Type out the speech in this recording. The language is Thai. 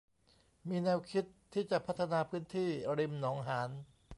มีแนวคิดที่จะพัฒนาพื้นที่ริมหนองหาร